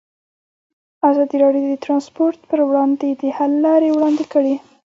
ازادي راډیو د ترانسپورټ پر وړاندې د حل لارې وړاندې کړي.